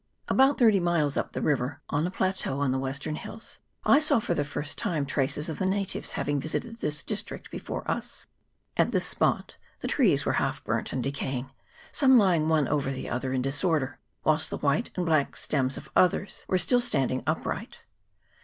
About thirty miles up the river, on a plateau on the western hills, I saw for the first time traces of the natives having visited this district before us. At CHAP. III.] ERITONGA VALLEY. 8l this spot the trees were half burnt and decaying, some lying one over the other in disorder, whilst the white and bleak stems of others were still standing upright.